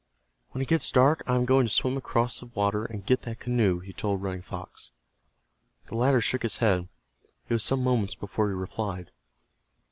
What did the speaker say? "When it gets dark I am going to swim across the water, and get that canoe," he told Running Fox. The latter shook his head. It was some moments before he replied.